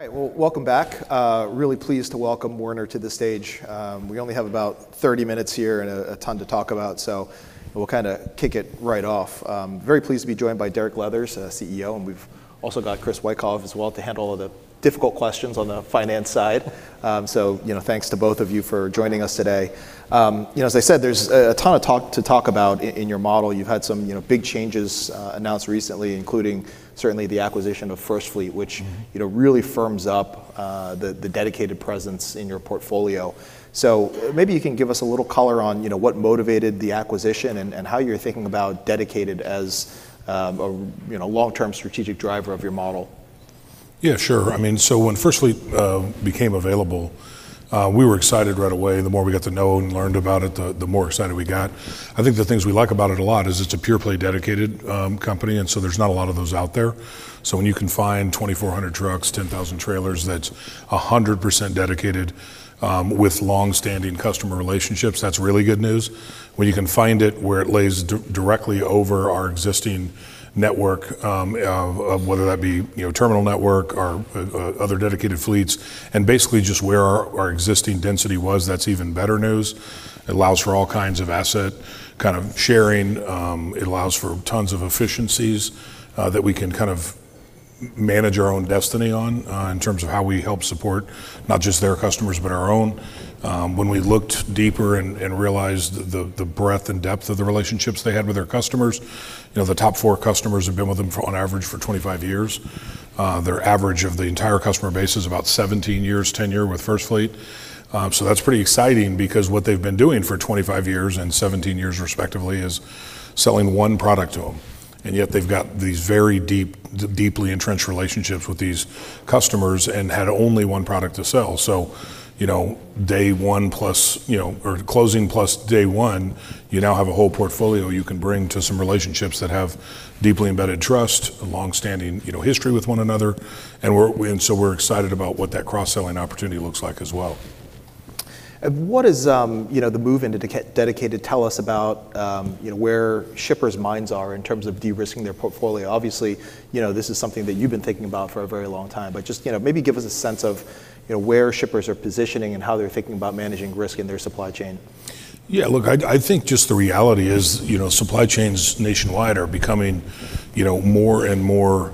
All right, well, welcome back. Really pleased to welcome Werner to the stage. We only have about 30 minutes here and a ton to talk about, so we'll kind of kick it right off. Very pleased to be joined by Derek Leathers, CEO, and we've also got Chris Wikoff as well to handle all of the difficult questions on the finance side. So thanks to both of you for joining us today. As I said, there's a ton of talk to talk about in your model. You've had some big changes announced recently, including certainly the acquisition of FirstFleet, which really firms up the dedicated presence in your portfolio. So maybe you can give us a little color on what motivated the acquisition and how you're thinking about dedicated as a long-term strategic driver of your model. Yeah, sure. I mean, so when FirstFleet became available, we were excited right away. The more we got to know and learned about it, the more excited we got. I think the things we like about it a lot is it's a pure-play dedicated company, and so there's not a lot of those out there. So when you can find 2,400 trucks, 10,000 trailers that's 100% dedicated with long-standing customer relationships, that's really good news. When you can find it where it lays directly over our existing network, whether that be terminal network or other dedicated fleets, and basically just where our existing density was, that's even better news. It allows for all kinds of asset kind of sharing. It allows for tons of efficiencies that we can kind of manage our own destiny on in terms of how we help support not just their customers, but our own. When we looked deeper and realized the breadth and depth of the relationships they had with their customers, the top four customers have been with them on average for 25 years. Their average of the entire customer base is about 17 years, 10 years with FirstFleet. So that's pretty exciting because what they've been doing for 25 years and 17 years, respectively, is selling one product to them. And yet they've got these very deeply entrenched relationships with these customers and had only one product to sell. So day one plus or closing plus day one, you now have a whole portfolio you can bring to some relationships that have deeply embedded trust, a long-standing history with one another. And so we're excited about what that cross-selling opportunity looks like as well. What does the move into dedicated tell us about where shippers' minds are in terms of de-risking their portfolio? Obviously, this is something that you've been thinking about for a very long time, but just maybe give us a sense of where shippers are positioning and how they're thinking about managing risk in their supply chain. Yeah, look, I think just the reality is supply chains nationwide are becoming more and more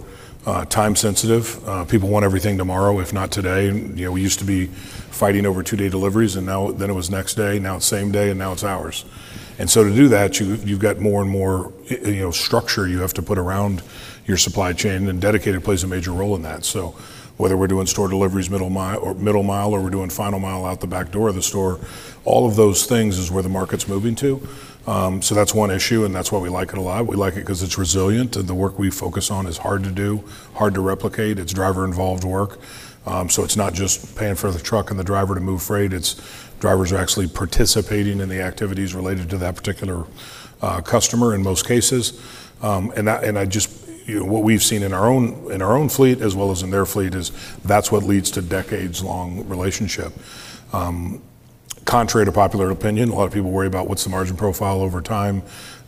time-sensitive. People want everything tomorrow, if not today. We used to be fighting over two-day deliveries, and then it was next day. Now it's same day, and now it's hours. And so to do that, you've got more and more structure you have to put around your supply chain, and dedicated plays a major role in that. So whether we're doing store deliveries middle mile or we're doing final mile out the back door of the store, all of those things is where the market's moving to. So that's one issue, and that's why we like it a lot. We like it because it's resilient, and the work we focus on is hard to do, hard to replicate. It's driver-involved work. So it's not just paying for the truck and the driver to move freight. Drivers are actually participating in the activities related to that particular customer in most cases. And what we've seen in our own fleet, as well as in their fleet, is that's what leads to decades-long relationship. Contrary to popular opinion, a lot of people worry about what's the margin profile over time.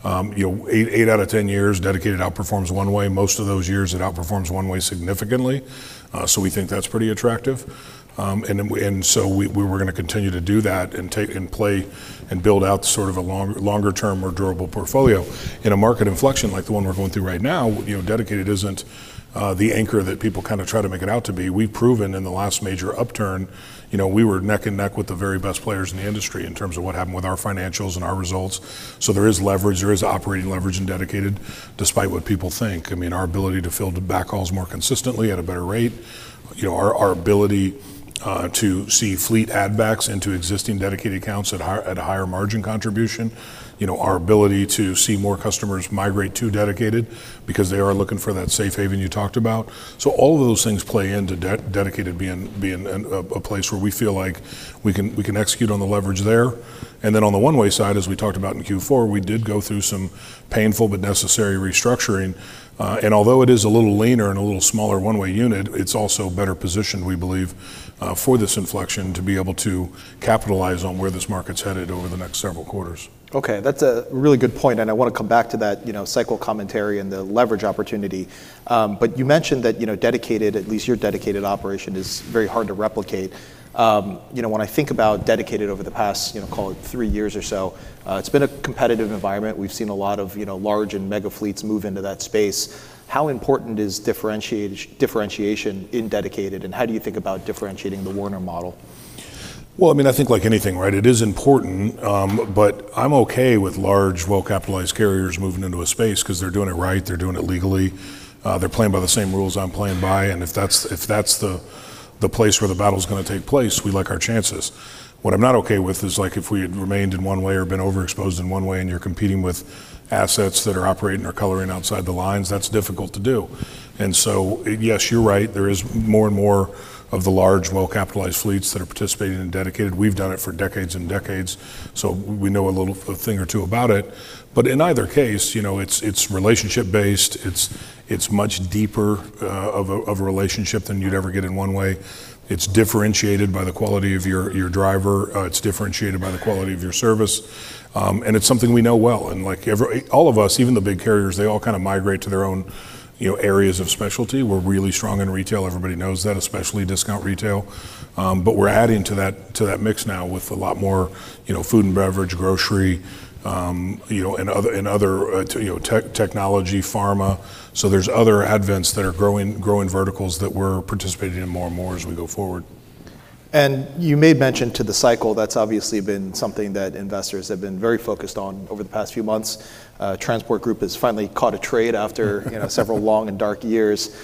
Eight out of 10 years, dedicated outperforms one-way. Most of those years, it outperforms one-way significantly. So we think that's pretty attractive. And so we're going to continue to do that and play and build out sort of a longer-term more durable portfolio. In a market inflection like the one we're going through right now, dedicated isn't the anchor that people kind of try to make it out to be. We've proven in the last major upturn we were neck and neck with the very best players in the industry in terms of what happened with our financials and our results. So there is leverage. There is operating leverage in dedicated despite what people think. I mean, our ability to fill backhauls more consistently at a better rate, our ability to see fleet addbacks into existing dedicated accounts at a higher margin contribution, our ability to see more customers migrate to dedicated because they are looking for that safe haven you talked about. So all of those things play into dedicated being a place where we feel like we can execute on the leverage there. And then on the one-way side, as we talked about in Q4, we did go through some painful but necessary restructuring. Although it is a little leaner and a little smaller one-way unit, it's also better positioned, we believe, for this inflection to be able to capitalize on where this market's headed over the next several quarters. OK, that's a really good point. And I want to come back to that cycle commentary and the leverage opportunity. But you mentioned that dedicated, at least your dedicated operation, is very hard to replicate. When I think about dedicated over the past, call it, three years or so, it's been a competitive environment. We've seen a lot of large and mega fleets move into that space. How important is differentiation in dedicated, and how do you think about differentiating the Werner model? Well, I mean, I think like anything, right? It is important, but I'm OK with large, well-capitalized carriers moving into a space because they're doing it right. They're doing it legally. They're playing by the same rules I'm playing by. And if that's the place where the battle's going to take place, we like our chances. What I'm not OK with is if we had remained in one way or been overexposed in one way and you're competing with assets that are operating or coloring outside the lines, that's difficult to do. And so yes, you're right. There is more and more of the large, well-capitalized fleets that are participating in dedicated. We've done it for decades and decades, so we know a little thing or two about it. But in either case, it's relationship-based. It's much deeper of a relationship than you'd ever get in one way. It's differentiated by the quality of your driver. It's differentiated by the quality of your service. It's something we know well. All of us, even the big carriers, they all kind of migrate to their own areas of specialty. We're really strong in retail. Everybody knows that, especially discount retail. But we're adding to that mix now with a lot more food and beverage, grocery, and other technology, pharma. So there's other advents that are growing verticals that we're participating in more and more as we go forward. And you made mention to the cycle. That's obviously been something that investors have been very focused on over the past few months. transport group has finally caught a trade after several long and dark years.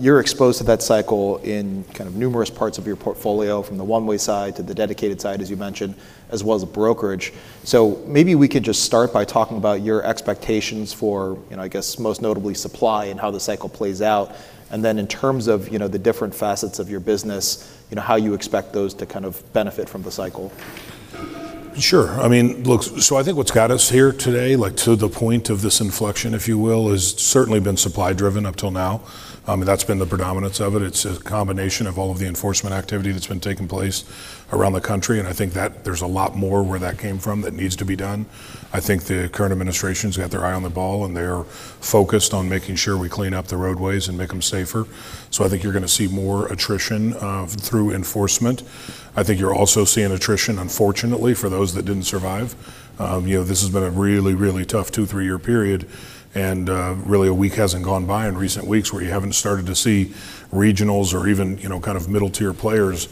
You're exposed to that cycle in kind of numerous parts of your portfolio, from the one-way side to the dedicated side, as you mentioned, as well as brokerage. So maybe we can just start by talking about your expectations for, I guess, most notably supply and how the cycle plays out. And then in terms of the different facets of your business, how you expect those to kind of benefit from the cycle. Sure. I mean, look, so I think what's got us here today to the point of this inflection, if you will, has certainly been supply-driven up till now. That's been the predominance of it. It's a combination of all of the enforcement activity that's been taking place around the country. I think there's a lot more where that came from that needs to be done. I think the current administration's got their eye on the ball, and they're focused on making sure we clean up the roadways and make them safer. So I think you're going to see more attrition through enforcement. I think you're also seeing attrition, unfortunately, for those that didn't survive. This has been a really, really tough 2-3-year period. And really, a week hasn't gone by in recent weeks where you haven't started to see regionals or even kind of middle-tier players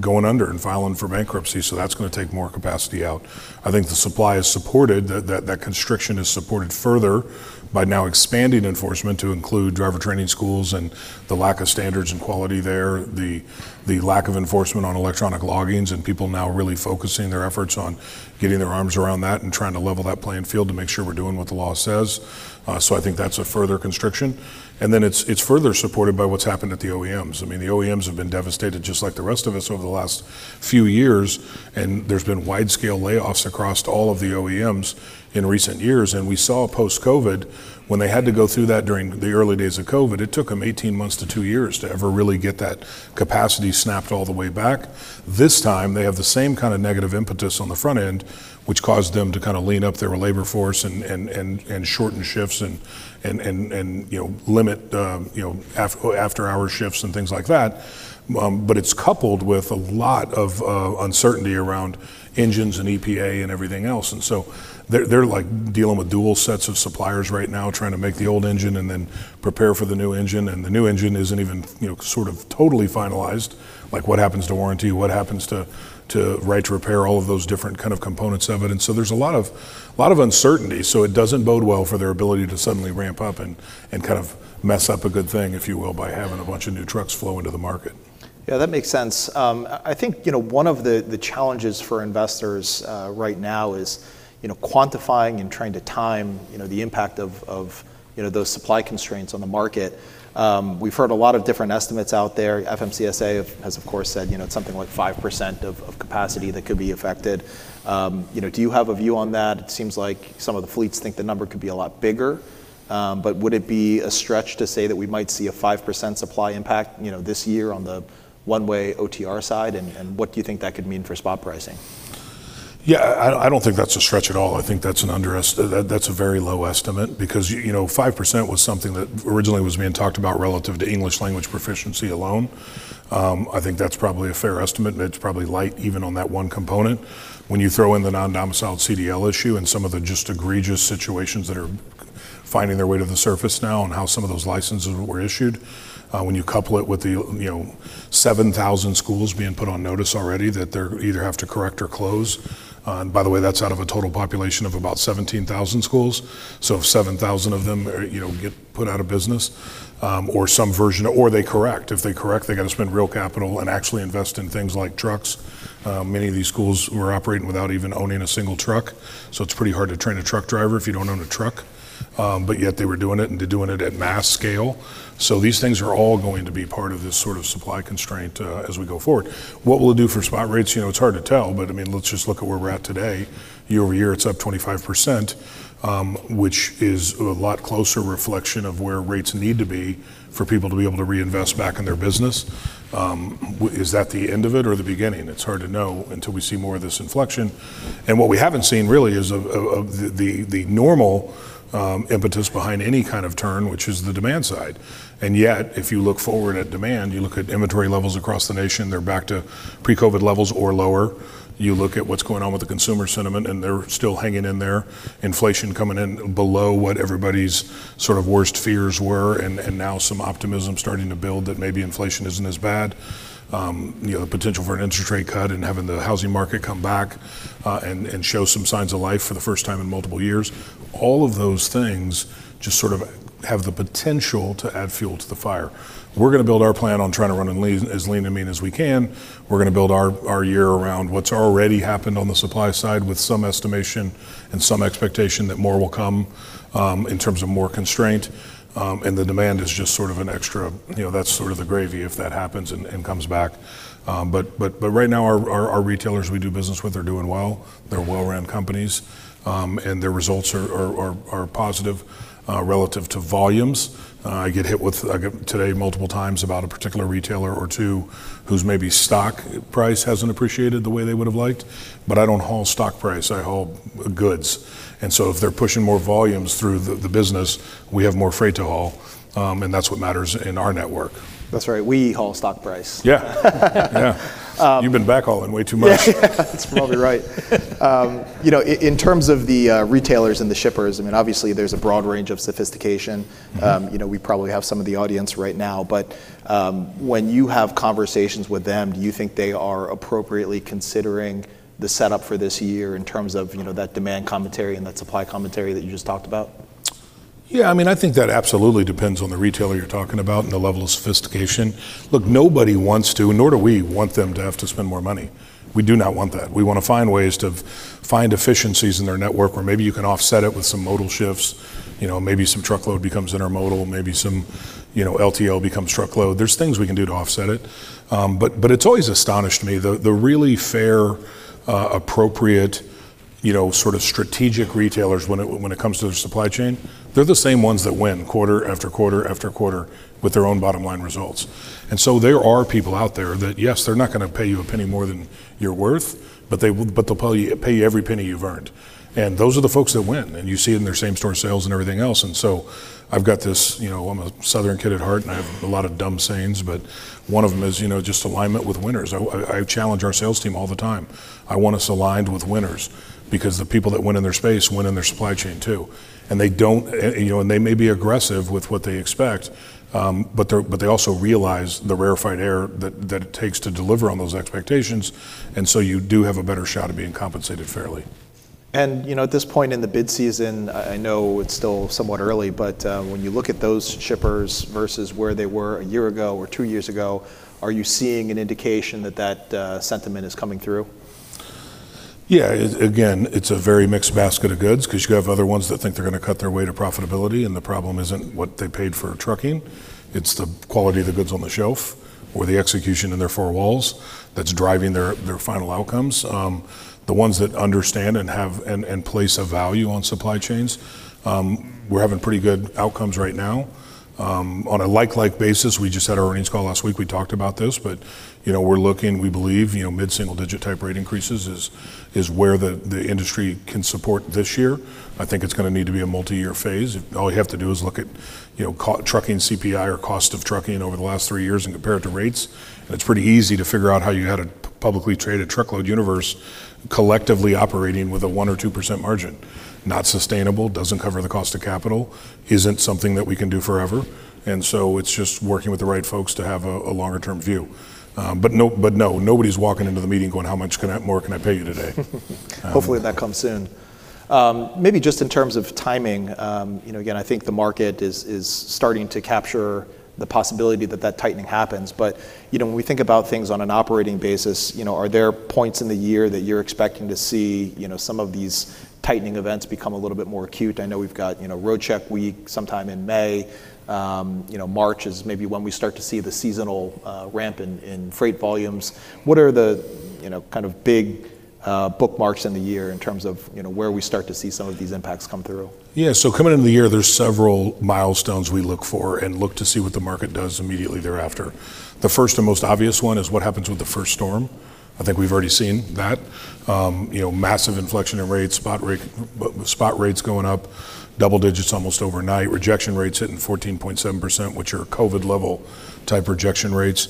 going under and filing for bankruptcy. So that's going to take more capacity out. I think the supply is supported. That constriction is supported further by now expanding enforcement to include driver training schools and the lack of standards and quality there, the lack of enforcement on electronic logins, and people now really focusing their efforts on getting their arms around that and trying to level that playing field to make sure we're doing what the law says. So I think that's a further constriction. And then it's further supported by what's happened at the OEMs. I mean, the OEMs have been devastated just like the rest of us over the last few years. And there's been wide-scale layoffs across all of the OEMs in recent years. We saw post-COVID, when they had to go through that during the early days of COVID, it took them 18 months to 2 years to ever really get that capacity snapped all the way back. This time, they have the same kind of negative impetus on the front end, which caused them to kind of lean up their labor force and shorten shifts and limit after-hour shifts and things like that. But it's coupled with a lot of uncertainty around engines and EPA and everything else. And so they're dealing with dual sets of suppliers right now, trying to make the old engine and then prepare for the new engine. And the new engine isn't even sort of totally finalized, like what happens to warranty, what happens to right to repair, all of those different kind of components of it. And so there's a lot of uncertainty. So it doesn't bode well for their ability to suddenly ramp up and kind of mess up a good thing, if you will, by having a bunch of new trucks flow into the market. Yeah, that makes sense. I think one of the challenges for investors right now is quantifying and trying to time the impact of those supply constraints on the market. We've heard a lot of different estimates out there. FMCSA has, of course, said it's something like 5% of capacity that could be affected. Do you have a view on that? It seems like some of the fleets think the number could be a lot bigger. But would it be a stretch to say that we might see a 5% supply impact this year on the one-way OTR side? And what do you think that could mean for spot pricing? Yeah, I don't think that's a stretch at all. I think that's a very low estimate because 5% was something that originally was being talked about relative to English language proficiency alone. I think that's probably a fair estimate. It's probably light even on that one component. When you throw in the non-domiciled CDL issue and some of the just egregious situations that are finding their way to the surface now and how some of those licenses were issued, when you couple it with the 7,000 schools being put on notice already that they either have to correct or close and by the way, that's out of a total population of about 17,000 schools. So if 7,000 of them get put out of business or some version or they correct. If they correct, they've got to spend real capital and actually invest in things like trucks. Many of these schools were operating without even owning a single truck. So it's pretty hard to train a truck driver if you don't own a truck. But yet they were doing it, and they're doing it at mass scale. So these things are all going to be part of this sort of supply constraint as we go forward. What will it do for spot rates? It's hard to tell. But I mean, let's just look at where we're at today. Year-over-year, it's up 25%, which is a lot closer reflection of where rates need to be for people to be able to reinvest back in their business. Is that the end of it or the beginning? It's hard to know until we see more of this inflection. And what we haven't seen really is the normal impetus behind any kind of turn, which is the demand side. And yet if you look forward at demand, you look at inventory levels across the nation, they're back to pre-COVID levels or lower. You look at what's going on with the consumer sentiment, and they're still hanging in there. Inflation coming in below what everybody's sort of worst fears were, and now some optimism starting to build that maybe inflation isn't as bad, the potential for an interest rate cut and having the housing market come back and show some signs of life for the first time in multiple years. All of those things just sort of have the potential to add fuel to the fire. We're going to build our plan on trying to run as lean and mean as we can. We're going to build our year around what's already happened on the supply side with some estimation and some expectation that more will come in terms of more constraint. And the demand is just sort of an extra that's sort of the gravy if that happens and comes back. But right now, our retailers we do business with are doing well. They're well-run companies, and their results are positive relative to volumes. I get hit with today multiple times about a particular retailer or two whose, maybe, stock price hasn't appreciated the way they would have liked. But I don't haul stock price. I haul goods. And so if they're pushing more volumes through the business, we have more freight to haul. And that's what matters in our network. That's right. We haul stock price. Yeah. Yeah. You've been backhauling way too much. Yeah, that's probably right. In terms of the retailers and the shippers, I mean, obviously, there's a broad range of sophistication. We probably have some of the audience right now. But when you have conversations with them, do you think they are appropriately considering the setup for this year in terms of that demand commentary and that supply commentary that you just talked about? Yeah, I mean, I think that absolutely depends on the retailer you're talking about and the level of sophistication. Look, nobody wants to, nor do we want them to have to spend more money. We do not want that. We want to find ways to find efficiencies in their network where maybe you can offset it with some modal shifts. Maybe some truckload becomes intermodal. Maybe some LTL becomes truckload. There's things we can do to offset it. But it's always astonished me. The really fair, appropriate sort of strategic retailers when it comes to their supply chain, they're the same ones that win quarter after quarter after quarter with their own bottom line results. And so there are people out there that, yes, they're not going to pay you a penny more than you're worth, but they'll pay you every penny you've earned. Those are the folks that win. You see it in their same-store sales and everything else. So I've got this, I'm a Southern kid at heart, and I have a lot of dumb sayings. But one of them is just alignment with winners. I challenge our sales team all the time. I want us aligned with winners because the people that win in their space win in their supply chain too. They may be aggressive with what they expect, but they also realize the rarefied air that it takes to deliver on those expectations. So you do have a better shot at being compensated fairly. At this point in the bid season, I know it's still somewhat early. When you look at those shippers versus where they were a year ago or two years ago, are you seeing an indication that that sentiment is coming through? Yeah. Again, it's a very mixed basket of goods because you have other ones that think they're going to cut their way to profitability. And the problem isn't what they paid for trucking. It's the quality of the goods on the shelf or the execution in their four walls that's driving their final outcomes. The ones that understand and place a value on supply chains, we're having pretty good outcomes right now. On a like-like basis, we just had our earnings call last week. We talked about this. But we're looking. We believe mid-single-digit type rate increases is where the industry can support this year. I think it's going to need to be a multi-year phase. All you have to do is look at trucking CPI or cost of trucking over the last three years and compare it to rates. It's pretty easy to figure out how you had a publicly traded truckload universe collectively operating with a 1% or 2% margin. Not sustainable. Doesn't cover the cost of capital. Isn't something that we can do forever. And so it's just working with the right folks to have a longer-term view. But no, nobody's walking into the meeting going, how much more can I pay you today? Hopefully, that comes soon. Maybe just in terms of timing, again, I think the market is starting to capture the possibility that that tightening happens. But when we think about things on an operating basis, are there points in the year that you're expecting to see some of these tightening events become a little bit more acute? I know we've got Roadcheck Week sometime in May. March is maybe when we start to see the seasonal ramp in freight volumes. What are the kind of big bookmarks in the year in terms of where we start to see some of these impacts come through? Yeah, so coming into the year, there's several milestones we look for and look to see what the market does immediately thereafter. The first and most obvious one is what happens with the first storm. I think we've already seen that. Massive inflection in rates, spot rates going up, double digits almost overnight, rejection rates hitting 14.7%, which are COVID-level type rejection rates.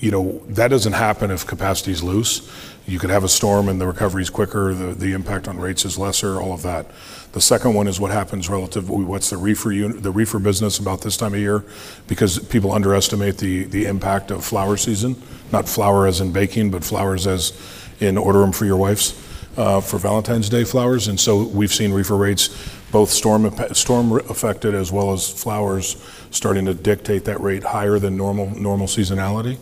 That doesn't happen if capacity is loose. You could have a storm, and the recovery is quicker. The impact on rates is lesser, all of that. The second one is what happens relative what's the reefer business about this time of year because people underestimate the impact of flower season, not flour as in baking, but flowers as in order them for your wife's for Valentine's Day flowers. And so we've seen reefer rates, both storm-affected as well as flowers, starting to dictate that rate higher than normal seasonality.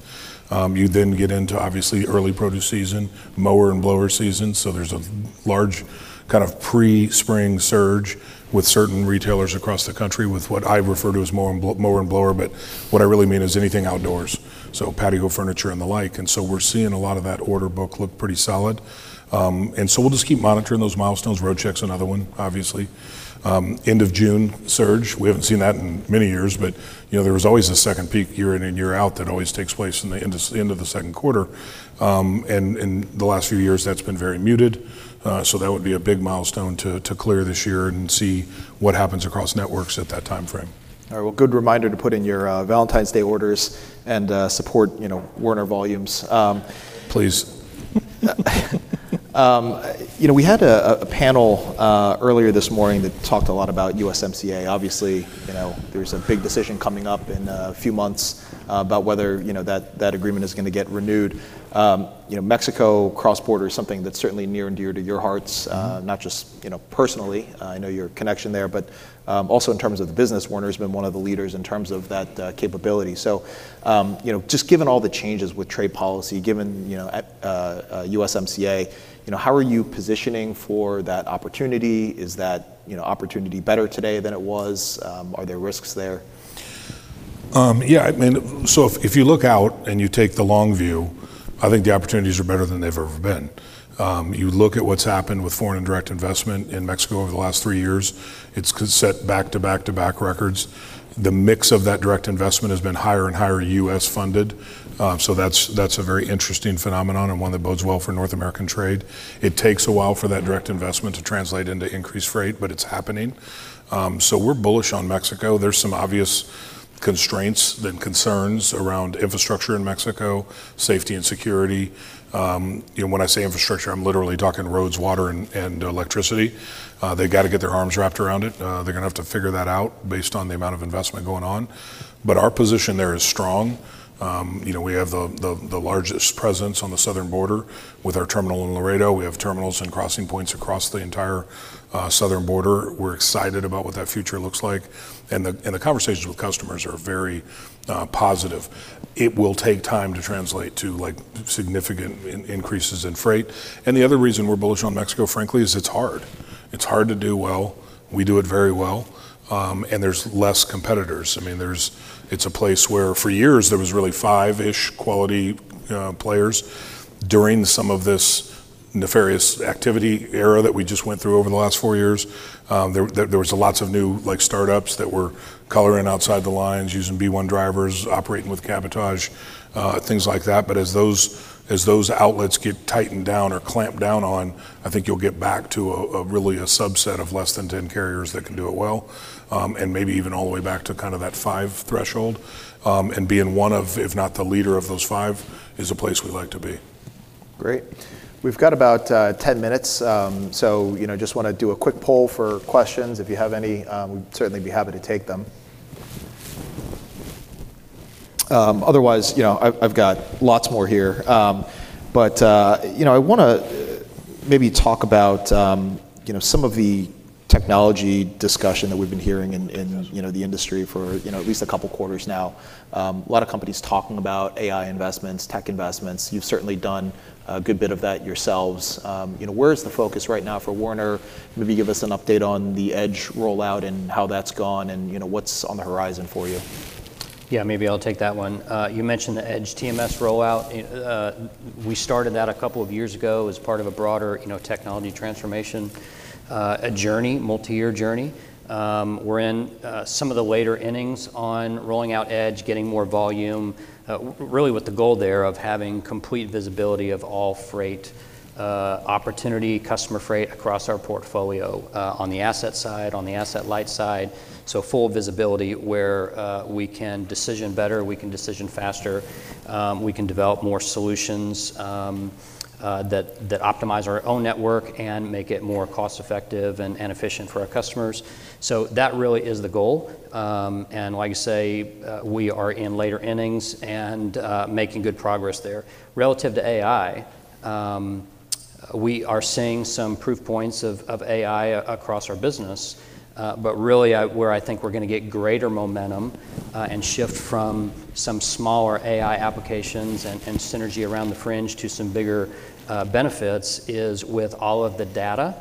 You then get into, obviously, early produce season, mower and blower season. So there's a large kind of pre-spring surge with certain retailers across the country with what I refer to as mower and blower. But what I really mean is anything outdoors, so patio furniture and the like. And so we're seeing a lot of that order book look pretty solid. And so we'll just keep monitoring those milestones. Roadcheck's another one, obviously. End of June surge. We haven't seen that in many years. But there was always a second peak year in and year out that always takes place in the end of the second quarter. And in the last few years, that's been very muted. That would be a big milestone to clear this year and see what happens across networks at that time frame. All right. Well, good reminder to put in your Valentine's Day orders and support Werner volumes. Please. We had a panel earlier this morning that talked a lot about USMCA. Obviously, there's a big decision coming up in a few months about whether that agreement is going to get renewed. Mexico cross-border is something that's certainly near and dear to your hearts, not just personally. I know your connection there. But also in terms of the business, Werner has been one of the leaders in terms of that capability. So just given all the changes with trade policy, given USMCA, how are you positioning for that opportunity? Is that opportunity better today than it was? Are there risks there? Yeah. I mean, so if you look out and you take the long view, I think the opportunities are better than they've ever been. You look at what's happened with foreign and direct investment in Mexico over the last three years. It's set back-to-back-to-back records. The mix of that direct investment has been higher and higher U.S.-funded. So that's a very interesting phenomenon and one that bodes well for North American trade. It takes a while for that direct investment to translate into increased freight, but it's happening. So we're bullish on Mexico. There's some obvious constraints and concerns around infrastructure in Mexico, safety and security. When I say infrastructure, I'm literally talking roads, water, and electricity. They've got to get their arms wrapped around it. They're going to have to figure that out based on the amount of investment going on. But our position there is strong. We have the largest presence on the southern border with our terminal in Laredo. We have terminals and crossing points across the entire southern border. We're excited about what that future looks like. The conversations with customers are very positive. It will take time to translate to significant increases in freight. The other reason we're bullish on Mexico, frankly, is it's hard. It's hard to do well. We do it very well. There's less competitors. I mean, it's a place where for years, there was really five-ish quality players. During some of this nefarious activity era that we just went through over the last four years, there was lots of new startups that were coloring outside the lines, using B-1 drivers, operating with cabotage, things like that. But as those outlets get tightened down or clamped down on, I think you'll get back to really a subset of less than 10 carriers that can do it well and maybe even all the way back to kind of that five threshold. And being one of, if not the leader of those five, is a place we like to be. Great. We've got about 10 minutes. So just want to do a quick poll for questions. If you have any, we'd certainly be happy to take them. Otherwise, I've got lots more here. But I want to maybe talk about some of the technology discussion that we've been hearing in the industry for at least a couple quarters now. A lot of companies talking about AI investments, tech investments. You've certainly done a good bit of that yourselves. Where is the focus right now for Werner? Maybe give us an update on the EDGE rollout and how that's gone and what's on the horizon for you. Yeah, maybe I'll take that one. You mentioned the EDGE TMS rollout. We started that a couple of years ago as part of a broader technology transformation, a journey, multi-year journey. We're in some of the later innings on rolling out EDGE, getting more volume, really with the goal there of having complete visibility of all freight opportunity, customer freight across our portfolio on the asset side, on the asset light side, so full visibility where we can decision better, we can decision faster, we can develop more solutions that optimize our own network and make it more cost-effective and efficient for our customers. So that really is the goal. And like I say, we are in later innings and making good progress there. Relative to AI, we are seeing some proof points of AI across our business. But really, where I think we're going to get greater momentum and shift from some smaller AI applications and synergy around the fringe to some bigger benefits is with all of the data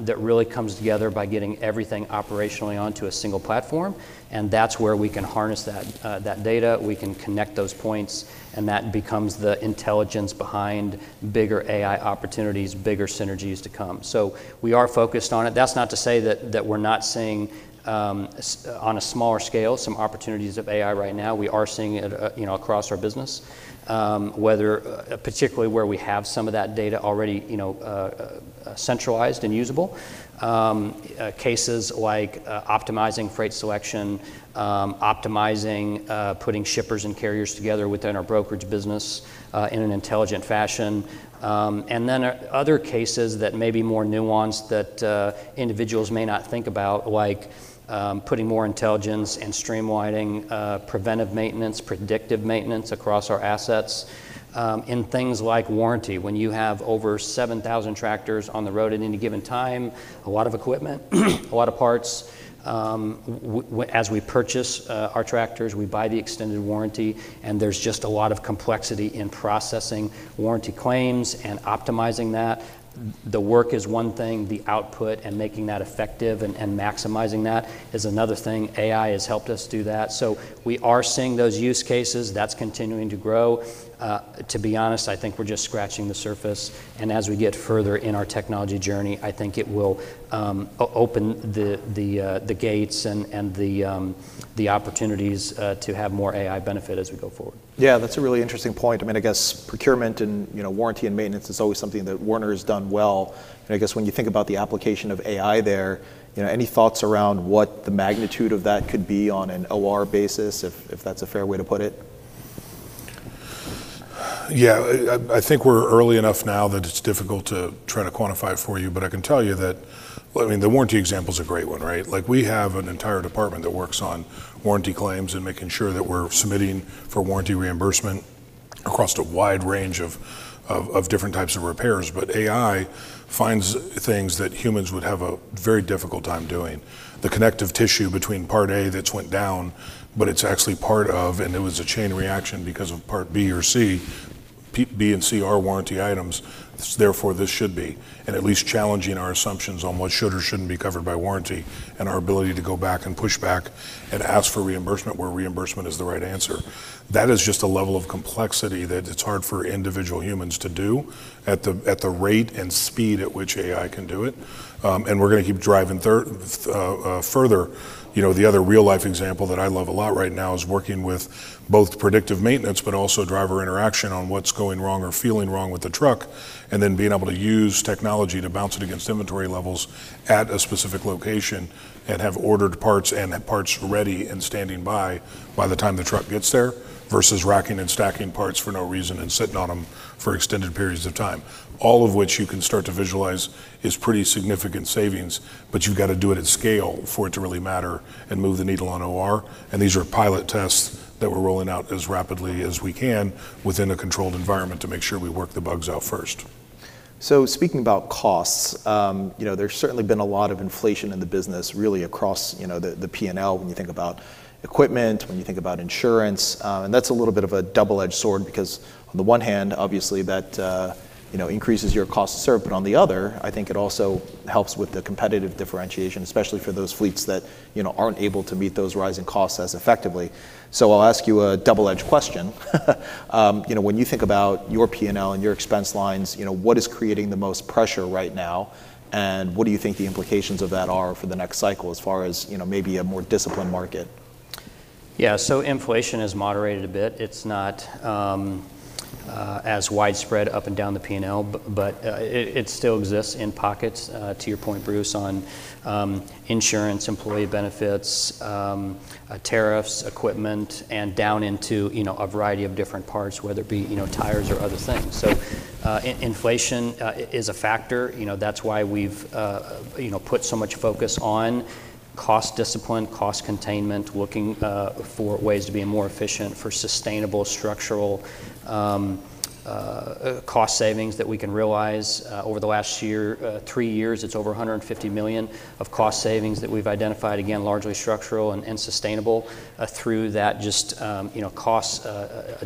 that really comes together by getting everything operationally onto a single platform. And that's where we can harness that data. We can connect those points. And that becomes the intelligence behind bigger AI opportunities, bigger synergies to come. So we are focused on it. That's not to say that we're not seeing on a smaller scale some opportunities of AI right now. We are seeing it across our business, particularly where we have some of that data already centralized and usable, cases like optimizing freight selection, optimizing putting shippers and carriers together within our brokerage business in an intelligent fashion, and then other cases that may be more nuanced that individuals may not think about, like putting more intelligence and streamlining, preventive maintenance, predictive maintenance across our assets in things like warranty. When you have over 7,000 tractors on the road at any given time, a lot of equipment, a lot of parts, as we purchase our tractors, we buy the extended warranty. And there's just a lot of complexity in processing warranty claims and optimizing that. The work is one thing. The output and making that effective and maximizing that is another thing. AI has helped us do that. So we are seeing those use cases. That's continuing to grow. To be honest, I think we're just scratching the surface. As we get further in our technology journey, I think it will open the gates and the opportunities to have more AI benefit as we go forward. Yeah, that's a really interesting point. I mean, I guess procurement and warranty and maintenance is always something that Werner has done well. And I guess when you think about the application of AI there, any thoughts around what the magnitude of that could be on an OR basis, if that's a fair way to put it? Yeah, I think we're early enough now that it's difficult to try to quantify it for you. But I can tell you that I mean, the warranty example is a great one, right? We have an entire department that works on warranty claims and making sure that we're submitting for warranty reimbursement across a wide range of different types of repairs. But AI finds things that humans would have a very difficult time doing, the connective tissue between part A that's went down, but it's actually part of and it was a chain reaction because of part B or C, B and C are warranty items. Therefore, this should be, and at least challenging our assumptions on what should or shouldn't be covered by warranty and our ability to go back and push back and ask for reimbursement where reimbursement is the right answer. That is just a level of complexity that it's hard for individual humans to do at the rate and speed at which AI can do it. We're going to keep driving further. The other real-life example that I love a lot right now is working with both predictive maintenance but also driver interaction on what's going wrong or feeling wrong with the truck and then being able to use technology to bounce it against inventory levels at a specific location and have ordered parts and have parts ready and standing by by the time the truck gets there versus racking and stacking parts for no reason and sitting on them for extended periods of time, all of which you can start to visualize is pretty significant savings. You've got to do it at scale for it to really matter and move the needle on OR. These are pilot tests that we're rolling out as rapidly as we can within a controlled environment to make sure we work the bugs out first. So speaking about costs, there's certainly been a lot of inflation in the business really across the P&L when you think about equipment, when you think about insurance. And that's a little bit of a double-edged sword because on the one hand, obviously, that increases your cost to serve. But on the other, I think it also helps with the competitive differentiation, especially for those fleets that aren't able to meet those rising costs as effectively. So I'll ask you a double-edged question. When you think about your P&L and your expense lines, what is creating the most pressure right now? And what do you think the implications of that are for the next cycle as far as maybe a more disciplined market? Yeah, so inflation has moderated a bit. It's not as widespread up and down the P&L. But it still exists in pockets, to your point, Bruce, on insurance, employee benefits, tariffs, equipment, and down into a variety of different parts, whether it be tires or other things. So inflation is a factor. That's why we've put so much focus on cost discipline, cost containment, looking for ways to be more efficient for sustainable structural cost savings that we can realize. Over the last year, three years, it's over $150 million of cost savings that we've identified, again, largely structural and sustainable through that just cost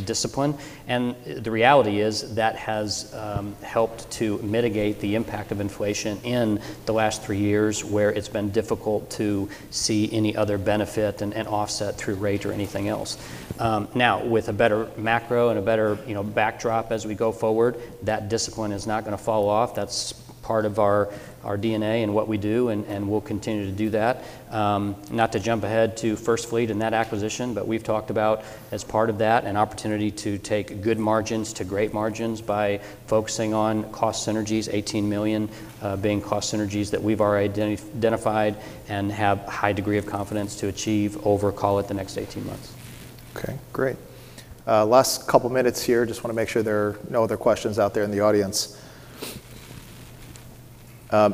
discipline. And the reality is that has helped to mitigate the impact of inflation in the last three years where it's been difficult to see any other benefit and offset through rate or anything else. Now, with a better macro and a better backdrop as we go forward, that discipline is not going to fall off. That's part of our DNA and what we do. And we'll continue to do that, not to jump ahead to FirstFleet and that acquisition. But we've talked about, as part of that, an opportunity to take good margins to great margins by focusing on cost synergies, $18 million being cost synergies that we've already identified and have a high degree of confidence to achieve over, call it, the next 18 months. OK, great. Last couple minutes here. Just want to make sure there are no other questions out there in the audience.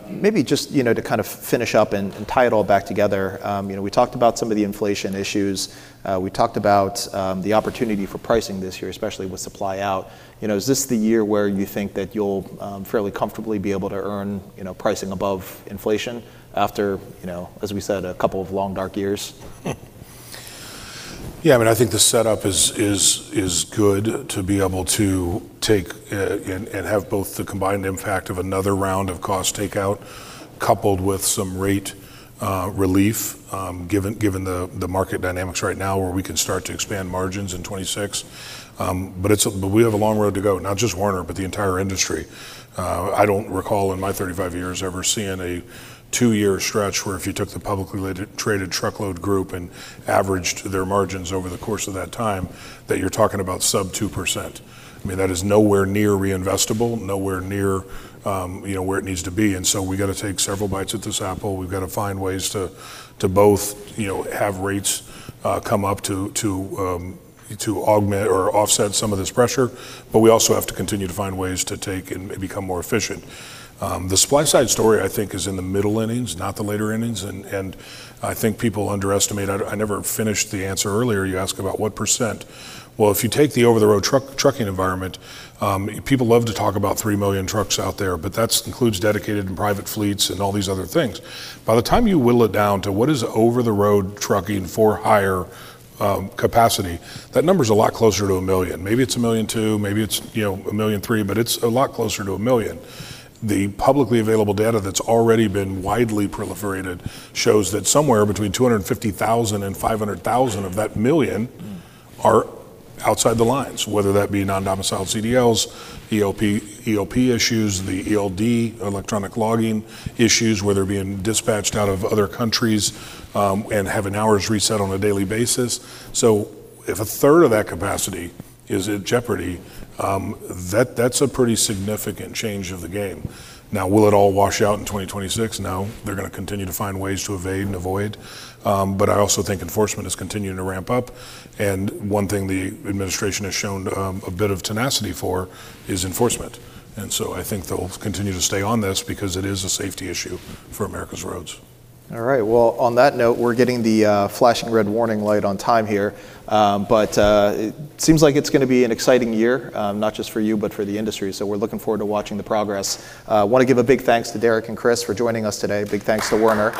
Maybe just to kind of finish up and tie it all back together, we talked about some of the inflation issues. We talked about the opportunity for pricing this year, especially with supply out. Is this the year where you think that you'll fairly comfortably be able to earn pricing above inflation after, as we said, a couple of long, dark years? Yeah, I mean, I think the setup is good to be able to take and have both the combined impact of another round of cost takeout coupled with some rate relief given the market dynamics right now where we can start to expand margins in 2026. But we have a long road to go, not just Werner, but the entire industry. I don't recall in my 35 years ever seeing a two-year stretch where if you took the publicly traded truckload group and averaged their margins over the course of that time, that you're talking about sub 2%. I mean, that is nowhere near reinvestable, nowhere near where it needs to be. And so we've got to take several bites at this apple. We've got to find ways to both have rates come up to augment or offset some of this pressure. But we also have to continue to find ways to take and become more efficient. The supply-side story, I think, is in the middle innings, not the later innings. And I think people underestimate. I never finished the answer earlier. You asked about what percent. Well, if you take the over-the-road trucking environment, people love to talk about 3 million trucks out there. But that includes dedicated and private fleets and all these other things. By the time you whittle it down to what is over-the-road trucking for higher capacity, that number is a lot closer to 1 million. Maybe it's 1.2 million. Maybe it's 1.3 million. But it's a lot closer to 1 million. The publicly available data that's already been widely proliferated shows that somewhere between 250,000 and 500,000 of that million are outside the lines, whether that be non-domiciled CDLs, ELP issues, the ELD, electronic logging issues, whether it be dispatched out of other countries and have an hours reset on a daily basis. So if a third of that capacity is in jeopardy, that's a pretty significant change of the game. Now, will it all wash out in 2026? No, they're going to continue to find ways to evade and avoid. But I also think enforcement is continuing to ramp up. And one thing the administration has shown a bit of tenacity for is enforcement. And so I think they'll continue to stay on this because it is a safety issue for America's roads. All right, well, on that note, we're getting the flashing red warning light on time here. But it seems like it's going to be an exciting year, not just for you, but for the industry. So we're looking forward to watching the progress. I want to give a big thanks to Derek and Chris for joining us today. Big thanks to Werner.